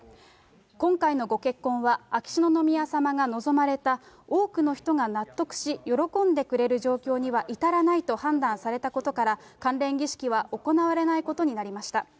今回のご結婚は秋篠宮さまが望まれた、多くの人が納得し、喜んでくれる状況には至らないと判断されたことから、関連儀式は行われないことになりました。